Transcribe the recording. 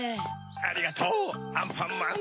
ありがとうアンパンマン。